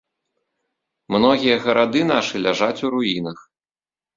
Многія гарады нашы ляжаць у руінах.